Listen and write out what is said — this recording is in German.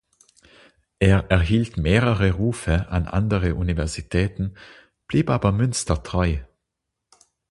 Er erhielt mehrere Rufe an andere Universitäten, blieb aber Münster treu.